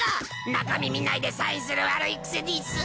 中身見ないでサインする悪いクセです。